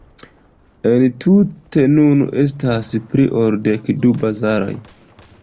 Entute nun estas pli ol dekdu bazaroj.